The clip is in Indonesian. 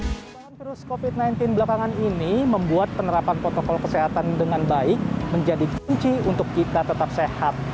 perubahan virus covid sembilan belas belakangan ini membuat penerapan protokol kesehatan dengan baik menjadi kunci untuk kita tetap sehat